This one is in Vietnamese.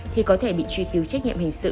thì có thể bị truy cứu trách nhiệm hình sự